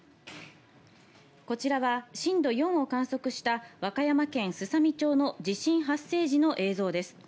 こちらは震度４を観測した、和歌山県すさみ町の地震発生時の映像です。